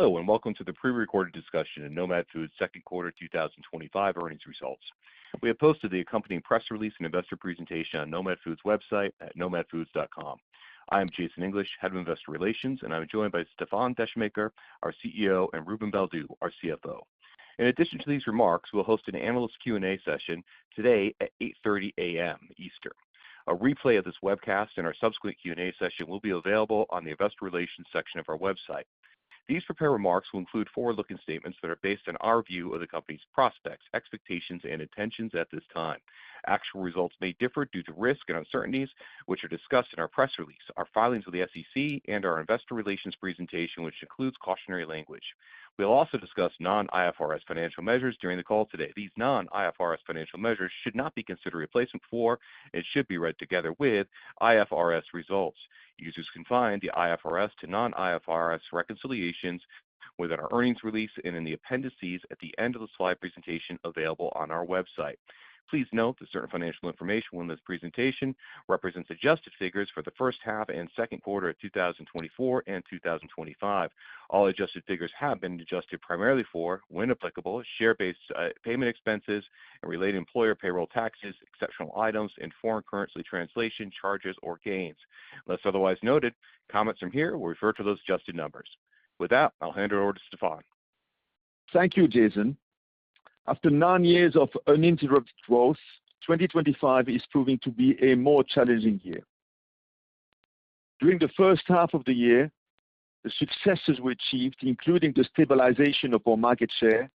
Hello and welcome to the pre-recorded discussion in Nomad Foods' Second Quarter 2025 Earnings Results. We have posted the accompanying press release and investor presentation on Nomad Foods' website at nomadfoods.com. I am Jason English, Head of Investor Relations, and I'm joined by Stéfan Descheemaeker, our CEO, and Ruben Baldew, our CFO. In addition to these remarks, we'll host an analyst Q&A session today at 8:30 A.M. Eastern. A replay of this webcast and our subsequent Q&A session will be available on the Investor Relations section of our website. These prepared remarks will include forward-looking statements that are based on our view of the company's prospects, expectations, and intentions at this time. Actual results may differ due to risk and uncertainties, which are discussed in our press release, our filings with the SEC, and our Investor Relations presentation, which includes cautionary language. We'll also discuss non-IFRS financial measures during the call today. These non-IFRS financial measures should not be considered replacements for and should be read together with IFRS results. Users can find the IFRS to non-IFRS reconciliations within our earnings release and in the appendices at the end of the slide presentation available on our website. Please note that certain financial information in this presentation represents adjusted figures for the first half and second quarter of 2024 and 2025. All adjusted figures have been adjusted primarily for, when applicable, share-based payment expenses and related employer payroll taxes, exceptional items, and foreign currency translation charges or gains. Unless otherwise noted, comments from here will refer to those adjusted numbers. With that, I'll hand it over to Stéfan. Thank you, Jason. After nine years of uninterrupted growth, 2025 is proving to be a more challenging year. During the first half of the year, the successes we achieved, including the stabilization of our market share,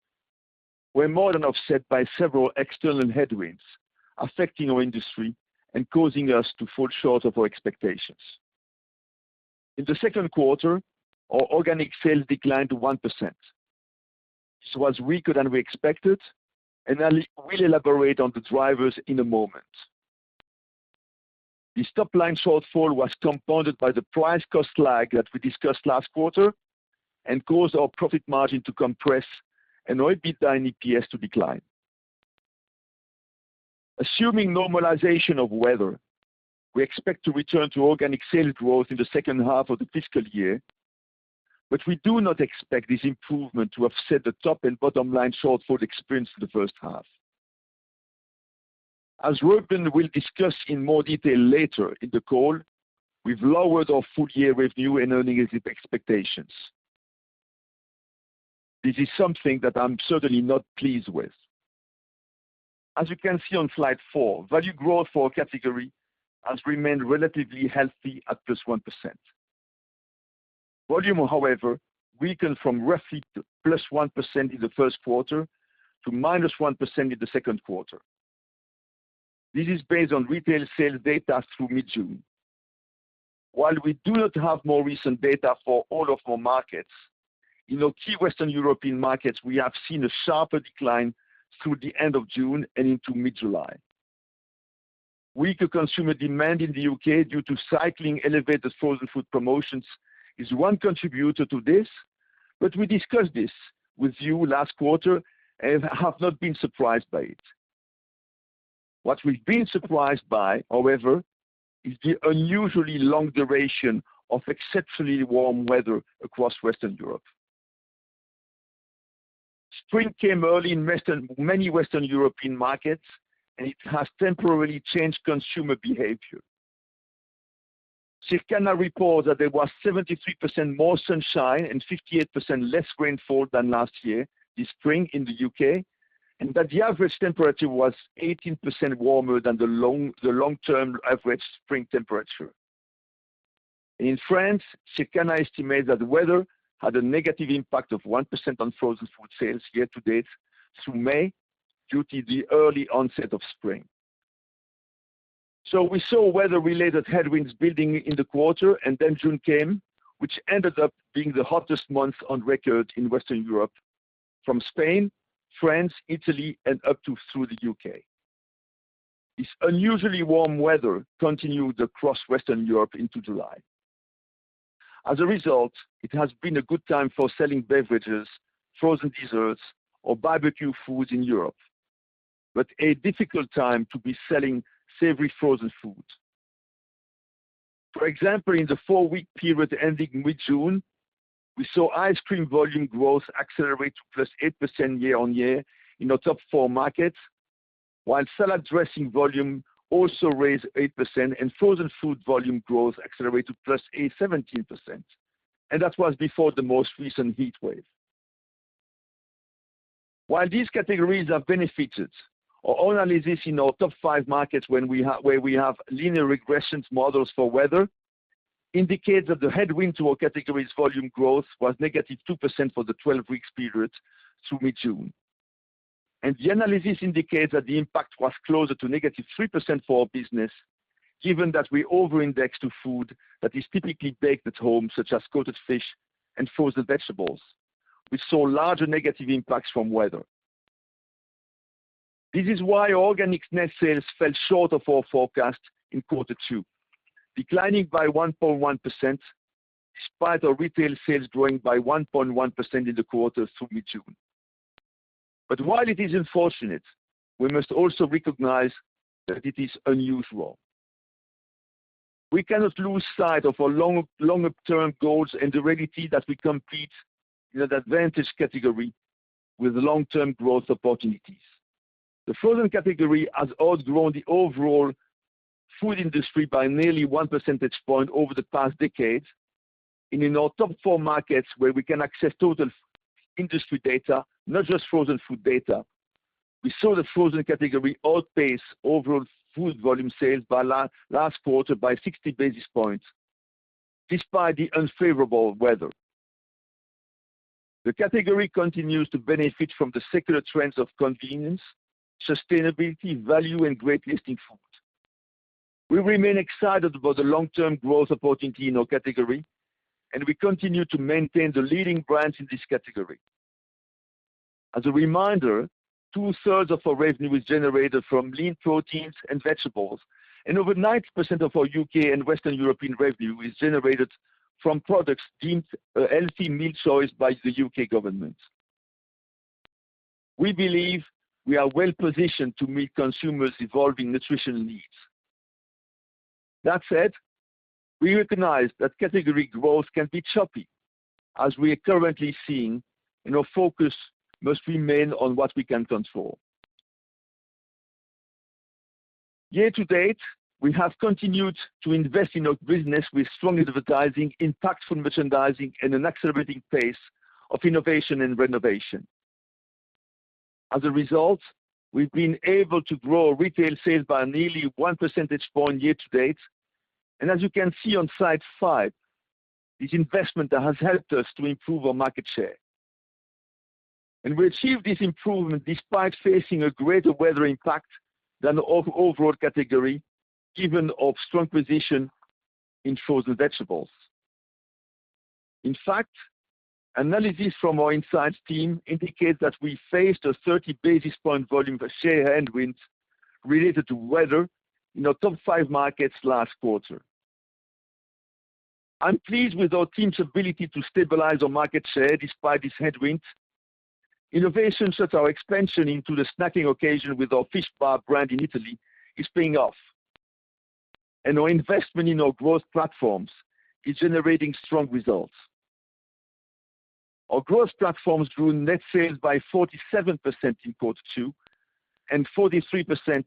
were more than offset by several external headwinds affecting our industry and causing us to fall short of our expectations. In the second quarter, our organic sales declined 1%. This was weaker than we expected, and I'll re-elaborate on the drivers in a moment. The top-line shortfall was compounded by the price cost lag that we discussed last quarter and caused our profit margin to compress and our adjusted EBITDA and adjusted EPS to decline. Assuming normalization of weather, we expect to return to organic sales growth in the second half of the fiscal year, but we do not expect this improvement to offset the top and bottom line shortfall experienced in the first half. As Ruben will discuss in more detail later in the call, we've lowered our full-year revenue and earnings expectations. This is something that I'm certainly not pleased with. As you can see on slide four, value growth for our category has remained relatively healthy at +1%. Volume has, however, weakened from roughly +1% in the first quarter to -1% in the second quarter. This is based on retail sales data through mid-June. While we do not have more recent data for all of our markets, in our key Western European markets, we have seen a sharper decline through the end of June and into mid-July. Weaker consumer demand in the U.K. due to cycling elevated frozen food promotions is one contributor to this, but we discussed this with you last quarter and have not been surprised by it. What we've been surprised by, however, is the unusually long duration of exceptionally warm weather across Western Europe. Spring came early in many Western European markets, and it has temporarily changed consumer behavior. SafeCanada reports that there was 73% more sunshine and 58% less rainfall than last year this spring in the U.K., and that the average temperature was 18% warmer than the long-term average spring temperature. In France, SafeCanada estimates that the weather had a negative impact of 1% on frozen food sales year to date through May due to the early onset of spring. We saw weather-related headwinds building in the quarter, and June came, which ended up being the hottest month on record in Western Europe from Spain, France, Italy, and up through the U.K.. This unusually warm weather continued across Western Europe into July. As a result, it has been a good time for selling beverages, frozen desserts, or barbecue foods in Europe, but a difficult time to be selling savory frozen foods. For example, in the four-week period ending mid-June, we saw ice cream volume growth accelerate to +8% year-on-year in our top four markets, while salad dressing volume also raised 8% and frozen food volume growth accelerated to +17%. That was before the most recent heat wave. While these categories have benefited, our analysis in our top five markets where we have linear regression models for weather indicates that the headwind to our category's volume growth was -2% for the 12-week period through mid-June. The analysis indicates that the impact was closer to -3% for our business, given that we over-index to food that is typically baked at home, such as coated fish and frozen vegetables. We saw larger negative impacts from weather. This is why our organic net sales fell short of our forecast in quarter two, declining by 1.1% despite our retail sales growing by 1.1% in the quarter through mid-June. It is unfortunate, but we must also recognize that it is unusual. We cannot lose sight of our longer-term goals and the remedy that we compete in an advantage category with long-term growth opportunities. The frozen category has outgrown the overall food industry by nearly 1 percentage point over the past decade. In our top four markets where we can access total industry data, not just frozen food data, we saw the frozen category outpace overall food volume sales last quarter by 60 basis points despite the unfavorable weather. The category continues to benefit from the secular trends of convenience, sustainability, value, and great tasting food. We remain excited about the long-term growth opportunity in our category, and we continue to maintain the leading brands in this category. As a reminder, 2/3 of our revenue is generated from lean proteins and vegetables, and over 90% of our U.K. and Western European revenue is generated from products deemed a healthy meal choice by the U.K. government. We believe we are well-positioned to meet consumers' evolving nutrition needs. That said, we recognize that category growth can be choppy, as we are currently seeing, and our focus must remain on what we can control. Year to date, we have continued to invest in our business with strong advertising, impactful merchandising, and an accelerating pace of innovation and renovation. As a result, we've been able to grow our retail sales by nearly 1% year to date. As you can see on slide five, this investment has helped us to improve our market share. We achieved this improvement despite facing a greater weather impact than our overall category, given our strong position in frozen vegetables. In fact, analysis from our insights team indicates that we faced a 30 basis point volume share headwind related to weather in our top five markets last quarter. I'm pleased with our team's ability to stabilize our market share despite this headwind. Innovation, such as our expansion into the snacking occasion with our fish bar brand in Italy, is paying off. Our investment in our growth platforms is generating strong results. Our growth platforms drove net sales by 47% in quarter two and 43%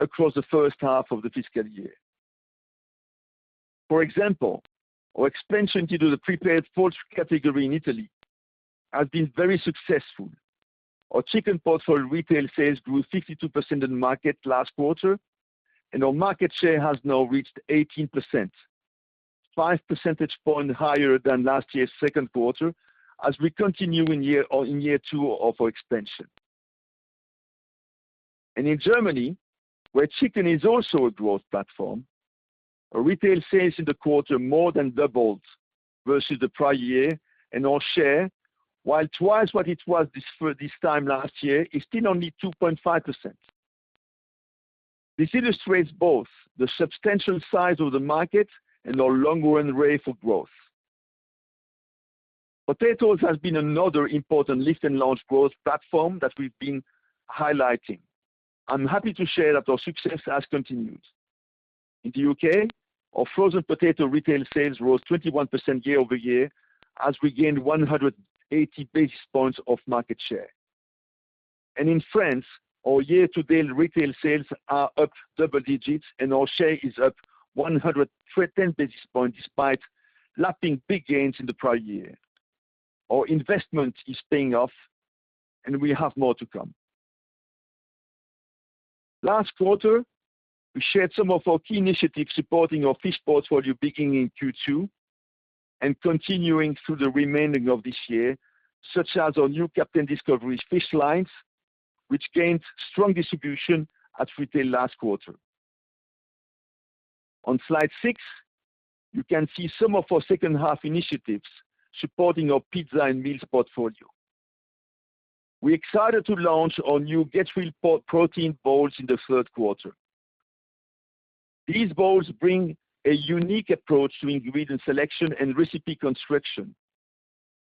across the first half of the fiscal year. For example, our expansion to the prepared foods category in Italy has been very successful. Our chicken portfolio retail sales grew 52% in the market last quarter, and our market share has now reached 18%, 5 percentage points higher than last year's second quarter, as we continue in year two of our expansion. In Germany, where chicken is also a growth platform, our retail sales in the quarter more than doubled versus the prior year, and our share, while twice what it was this time last year, is still only 2.5%. This illustrates both the substantial size of the market and our long-run runway for growth. Potatoes has been another important lift-and-launch growth platform that we've been highlighting. I'm happy to share that our success has continued. In the U.K., our frozen potato retail sales rose 21% year-over-year as we gained 180 basis points of market share. In France, our year-to-date retail sales are up double digits, and our share is up 110 basis points despite lapping big gains in the prior year. Our investment is paying off, and we have more to come. Last quarter, we shared some of our key initiatives supporting our fish portfolio beginning in Q2 and continuing through the remainder of this year, such as our new Captain Discovery fish lines, which gained strong distribution as we did last quarter. On slide six, you can see some of our second-half initiatives supporting our pizza and meals portfolio. We're excited to launch our new Get Real Protein Bowls in the third quarter. These bowls bring a unique approach to ingredient selection and recipe construction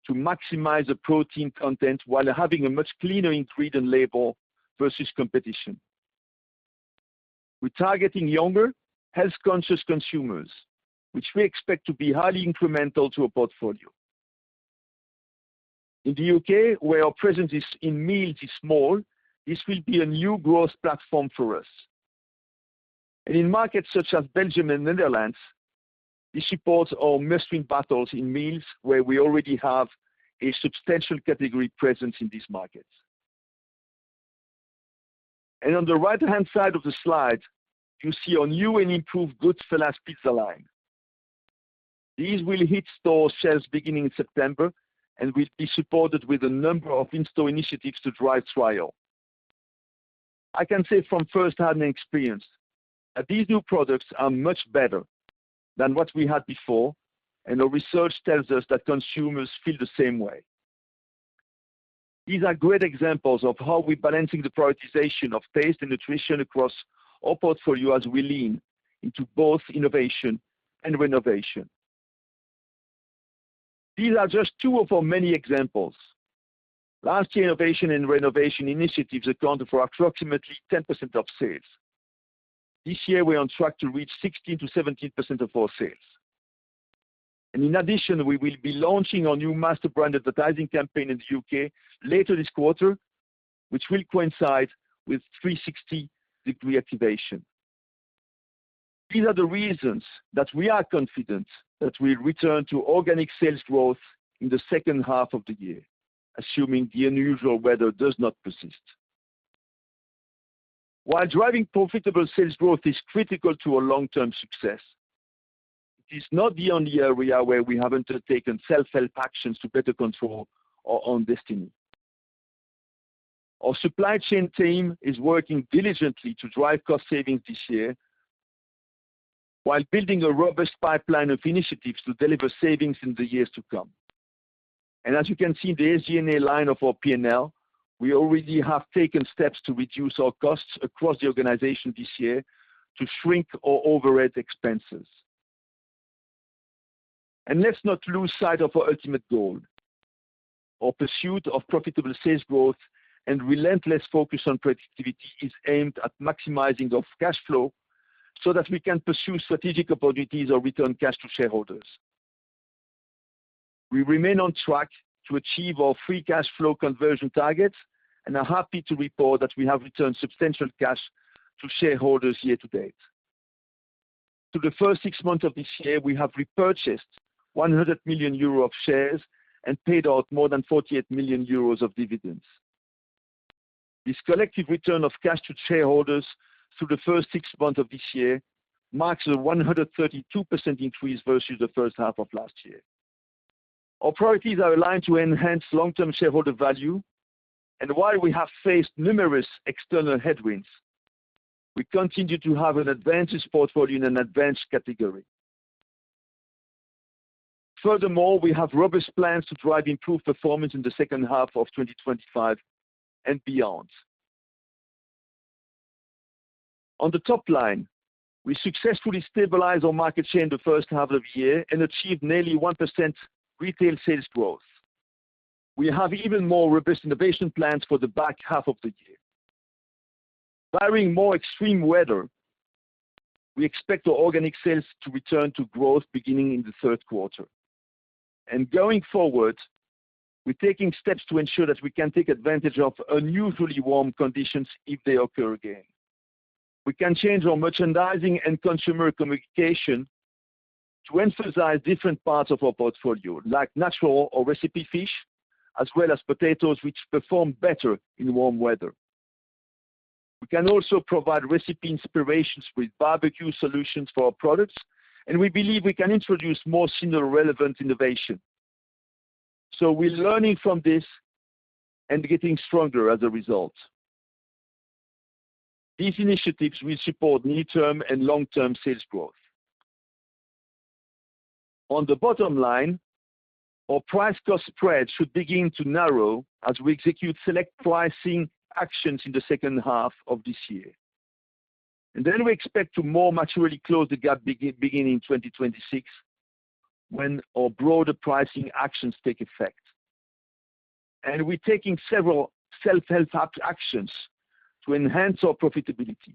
to maximize the protein content while having a much cleaner ingredient label versus competition. We're targeting younger, health-conscious consumers, which we expect to be highly incremental to our portfolio. In the U.K., where our presence in meals is small, this will be a new growth platform for us. In markets such as Belgium and the Netherlands, this supports our mushroom battles in meals where we already have a substantial category presence in these markets. On the right-hand side of the slide, you see our new and improved Goodfella’s pizza line. These will hit store shelves beginning in September and will be supported with a number of in-store initiatives to drive trial. I can say from first-hand experience that these new products are much better than what we had before, and our research tells us that consumers feel the same way. These are great examples of how we're balancing the prioritization of taste and nutrition across our portfolio as we lean into both innovation and renovation. These are just two of our many examples. Last year, innovation and renovation initiatives accounted for approximately 10% of sales. This year, we're on track to reach 16%-17% of our sales. In addition, we will be launching our new master brand advertising campaign in the U.K. later this quarter, which will coincide with 360-degree activation. These are the reasons that we are confident that we'll return to organic sales growth in the second half of the year, assuming the unusual weather does not persist. While driving profitable sales growth is critical to our long-term success, it is not the only area where we have undertaken self-help actions to better control our own destiny. Our supply chain team is working diligently to drive cost savings this year while building a robust pipeline of initiatives to deliver savings in the years to come. As you can see in the SG&A line of our P&L, we already have taken steps to reduce our costs across the organization this year to shrink our overhead expenses. Let's not lose sight of our ultimate goal. Our pursuit of profitable sales growth and relentless focus on productivity is aimed at maximizing our cash flow so that we can pursue strategic opportunities or return cash to shareholders. We remain on track to achieve our free cash flow conversion targets and are happy to report that we have returned substantial cash to shareholders year to date. Through the first six months of this year, we have repurchased €100 million of shares and paid out more than €48 million of dividends. This collective return of cash to shareholders through the first six months of this year marks a 132% increase versus the first half of last year. Our priorities are aligned to enhance long-term shareholder value, and while we have faced numerous external headwinds, we continue to have an advantaged portfolio in an advanced category. Furthermore, we have robust plans to drive improved performance in the second half of 2025 and beyond. On the top line, we successfully stabilized our market share in the first half of the year and achieved nearly 1% retail sales growth. We have even more robust innovation plans for the back half of the year. Barring more extreme weather, we expect our organic sales to return to growth beginning in the third quarter. Going forward, we're taking steps to ensure that we can take advantage of unusually warm conditions if they occur again. We can change our merchandising and consumer communication to emphasize different parts of our portfolio, like natural or recipe fish, as well as potatoes, which perform better in warm weather. We can also provide recipe inspirations with barbecue solutions for our products, and we believe we can introduce more similar relevant innovation. We're learning from this and getting stronger as a result. These initiatives will support near-term and long-term sales growth. On the bottom line, our price cost spread should begin to narrow as we execute selective pricing actions in the second half of this year. We expect to more maturely close the gap beginning in 2026 when our broader pricing actions take effect. We're taking several self-help actions to enhance our profitability.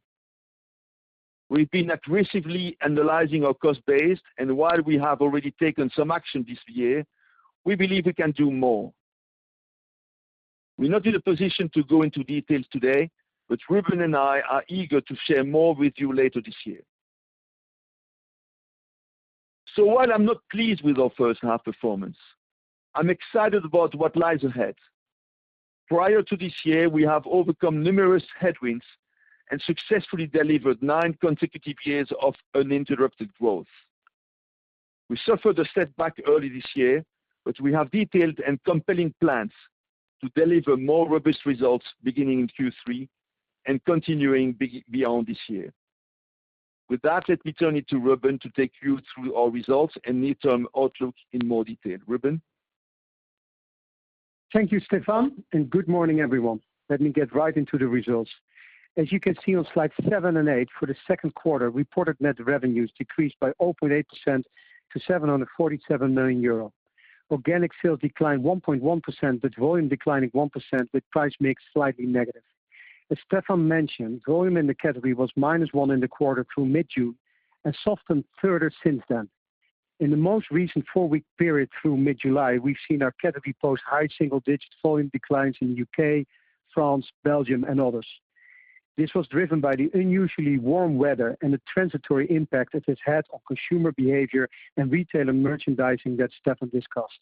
We've been aggressively analyzing our cost base, and while we have already taken some action this year, we believe we can do more. We're not in a position to go into details today, but Ruben and I are eager to share more with you later this year. While I'm not pleased with our first-half performance, I'm excited about what lies ahead. Prior to this year, we have overcome numerous headwinds and successfully delivered nine consecutive years of uninterrupted growth. We suffered a setback early this year, but we have detailed and compelling plans to deliver more robust results beginning in Q3 and continuing beyond this year. With that, let me turn it to Ruben to take you through our results and near-term outlook in more detail. Ruben. Thank you, Stéfan, and good morning, everyone. Let me get right into the results. As you can see on slides seven and eight, for the second quarter, reported net revenues decreased by 0.8% to €747 million. Organic sales declined 1.1%, but volume declined 1%, with price mix slightly negative. As Stéfan mentioned, volume in the category was minus 1% in the quarter through mid-June and softened further since then. In the most recent four-week period through mid-July, we've seen our category post high single-digit volume declines in the U.K., France, Belgium, and others. This was driven by the unusually warm weather and the transitory impact it has had on consumer behavior and retail and merchandising that Stéfan discussed.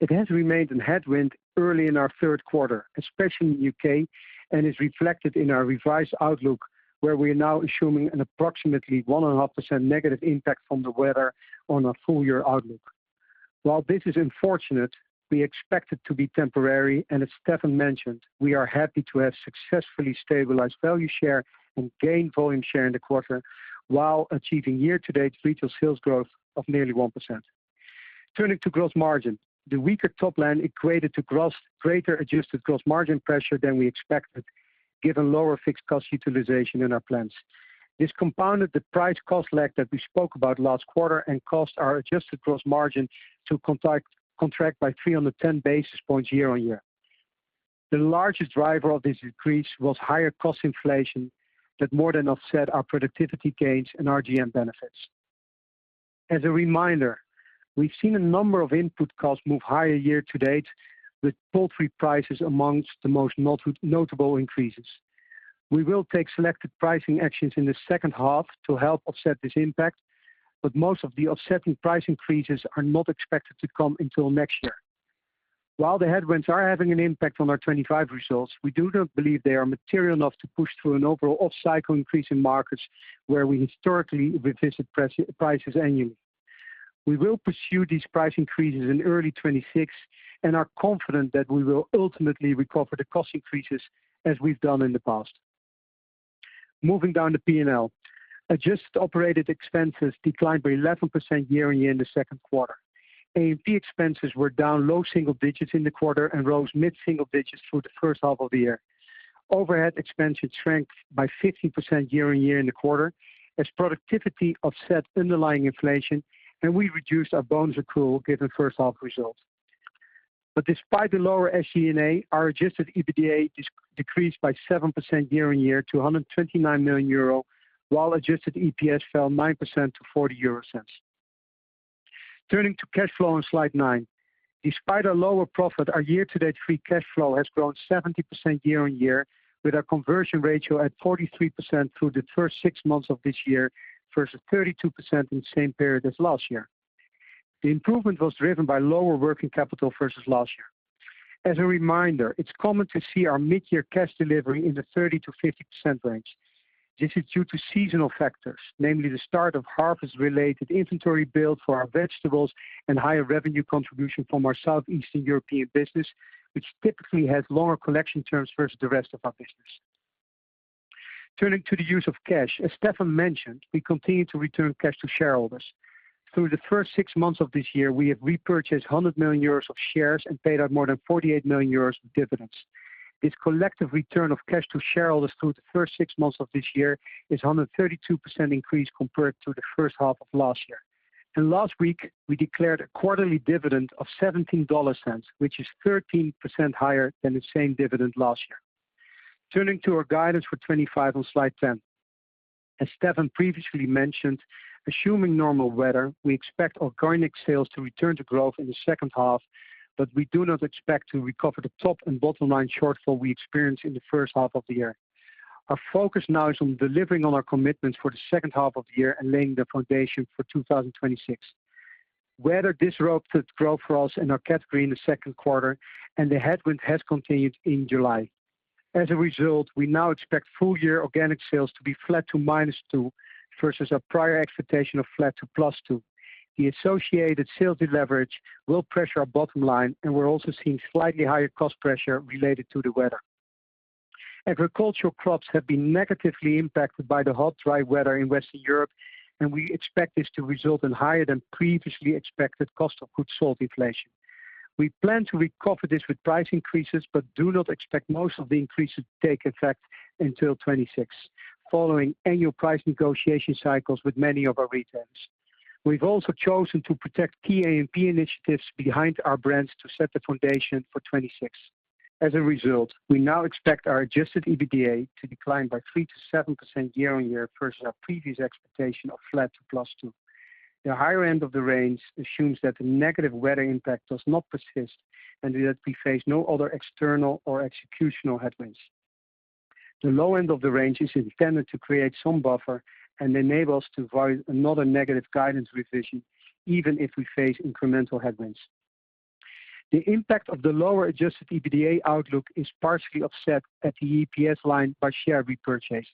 It has remained a headwind early in our third quarter, especially in the U.K., and is reflected in our revised outlook, where we are now assuming an approximately 1.5% negative impact from the weather on our full-year outlook. While this is unfortunate, we expect it to be temporary, and as Stéfan mentioned, we are happy to have successfully stabilized value share and gained volume share in the quarter while achieving year-to-date retail sales growth of nearly 1%. Turning to gross margin, the weaker top line equated to greater adjusted gross margin pressure than we expected, given lower fixed cost utilization in our plants. This compounded the price cost lag that we spoke about last quarter and caused our adjusted gross margin to contract by 310 basis points year on year. The largest driver of this increase was higher cost inflation that more than offset our productivity gains and RGM benefits. As a reminder, we've seen a number of input costs move higher year to date, with poultry prices amongst the most notable increases. We will take selective pricing actions in the second half to help offset this impact, but most of the offsetting price increases are not expected to come until next year. While the headwinds are having an impact on our 2025 results, we do not believe they are material enough to push through an overall off-cycle increase in markets where we historically revisit prices annually. We will pursue these price increases in early 2026 and are confident that we will ultimately recover the cost increases as we've done in the past. Moving down to P&L, adjusted operating expenses declined by 11% year-on-year in the second quarter. A&P expenses were down low single digits in the quarter and rose mid-single digits through the first half of the year. Overhead expenses shrank by 15% year-on-year in the quarter as productivity offset underlying inflation, and we reduced our bonus accrual given first half results. Despite the lower SG&A, our adjusted EBITDA decreased by 7% year-on-year to €129 million, while adjusted EPS fell 9% to €0.40. Turning to cash flow on slide nine, despite our lower profit, our year-to-date free cash flow has grown 70% year-on-year, with our conversion ratio at 43% through the first six months of this year versus 32% in the same period as last year. The improvement was driven by lower working capital versus last year. As a reminder, it's common to see our mid-year cash delivery in the 30%-50% range. This is due to seasonal factors, namely the start of harvest-related inventory build for our vegetables and higher revenue contribution from our Southeastern European business, which typically has longer collection terms versus the rest of our business. Turning to the use of cash, as Stéfan mentioned, we continue to return cash to shareholders. Through the first six months of this year, we have repurchased €100 million of shares and paid out more than €48 million in dividends. This collective return of cash to shareholders through the first six months of this year is a 132% increase compared to the first half of last year. Last week, we declared a quarterly dividend of $17.00, which is 13% higher than the same dividend last year. Turning to our guidance for 2025 on slide ten. As Stéfan previously mentioned, assuming normal weather, we expect organic sales to return to growth in the second half, but we do not expect to recover the top and bottom line shortfall we experienced in the first half of the year. Our focus now is on delivering on our commitments for the second half of the year and laying the foundation for 2026. Weather disrupted growth for us in our category in the second quarter, and the headwind has continued in July. As a result, we now expect full-year organic sales to be flat to -2% versus our prior expectation of flat to +2%. The associated sales deliverage will pressure our bottom line, and we're also seeing slightly higher cost pressure related to the weather. Agricultural crops have been negatively impacted by the hot, dry weather in Western Europe, and we expect this to result in higher than previously expected cost of goods sold inflation. We plan to recover this with price increases, but do not expect most of the increases to take effect until 2026, following annual price negotiation cycles with many of our retailers. We've also chosen to protect key A&P initiatives behind our brands to set the foundation for 2026. As a result, we now expect our adjusted EBITDA to decline by 3%-7% year-on-year versus our previous expectation of flat to +2%. The higher end of the range assumes that the negative weather impact does not persist and that we face no other external or executional headwinds. The low end of the range is intended to create some buffer and enable us to avoid another negative guidance revision, even if we face incremental headwinds. The impact of the lower adjusted EBITDA outlook is partially offset at the EPS line by share repurchases.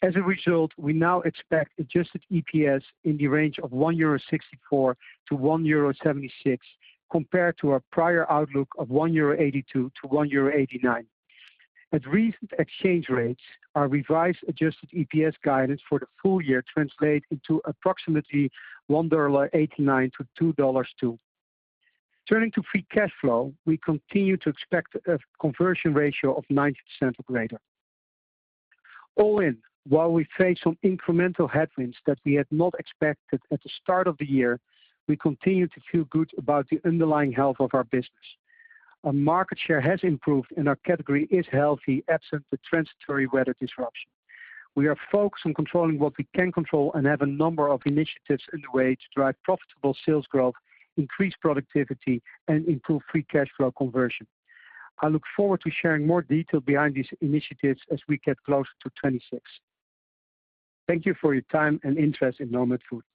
As a result, we now expect adjusted EPS in the range of €1.64-€1.76 compared to our prior outlook of €1.82-€1.89. At recent exchange rates, our revised adjusted EPS guidance for the full year translated into approximately $1.89 to $2.02. Turning to free cash flow, we continue to expect a conversion ratio of 90% or greater. All in, while we face some incremental headwinds that we had not expected at the start of the year, we continue to feel good about the underlying health of our business. Our market share has improved and our category is healthy absent the transitory weather disruption. We are focused on controlling what we can control and have a number of initiatives underway to drive profitable sales growth, increase productivity, and improve free cash flow conversion. I look forward to sharing more details behind these initiatives as we get closer to 2026. Thank you for your time and interest in Nomad Foods.